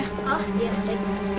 hah ya ya